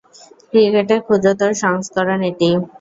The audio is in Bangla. ক্রিকেটের ক্ষুদ্রতর সংস্করণ এটি।